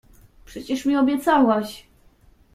— Przecież mi obiecałaś…